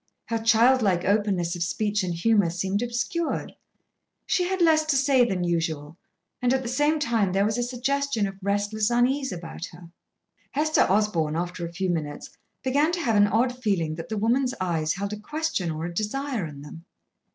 Her child like openness of speech and humour seemed obscured. She had less to say than usual, and at the same time there was a suggestion of restless unease about her. Hester Osborn, after a few minutes, began to have an odd feeling that the woman's eyes held a question or a desire in them.